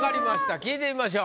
聞いてみましょう。